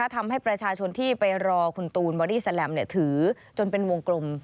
ทำให้ประชาชนที่ไปรอคุณตูนบอดี้แลมถือจนเป็นวงกลม